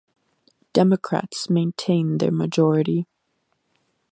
Democrats maintained their majority.